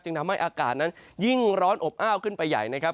ทำให้อากาศนั้นยิ่งร้อนอบอ้าวขึ้นไปใหญ่นะครับ